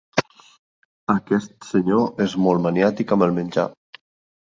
Aquest senyor és molt maniàtic amb el menjar.